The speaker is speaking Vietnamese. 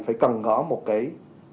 phải cần có một cái